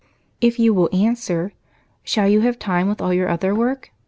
"If you will answer. Shall you have time with all your other work?